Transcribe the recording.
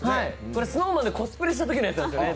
これ、ＳｎｏｗＭａｎでコスプレしたときのやつなんですよね。